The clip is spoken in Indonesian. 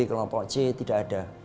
kelompok c tidak ada